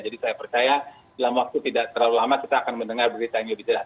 jadi saya percaya dalam waktu tidak terlalu lama kita akan mendengar berita ini